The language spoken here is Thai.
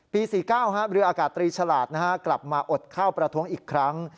๔๙เรืออากาศตรีฉลาดกลับมาอดเข้าประท้วงอีกครั้ง